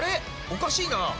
おかしいな。